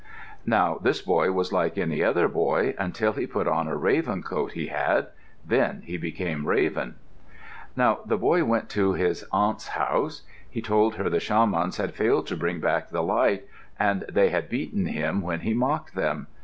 Now this boy was like any other boy until he put on a raven coat he had. Then he became Raven. Now the boy went to his aunt's house. He told her the shamans had failed to bring back the light, and they had beaten him when he mocked them.